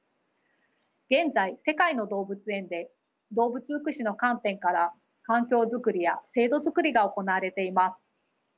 現在世界の動物園で動物福祉の観点から環境作りや制度作りが行われています。